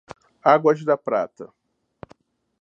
Águas da Prata